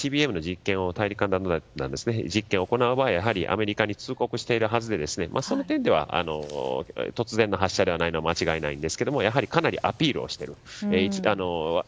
大陸間弾道ミサイルＩＣＢＭの実験を行う場合はアメリカに通告しているはずでその点では突然の発射ではないのは間違いないんですがかなりアピールをしている。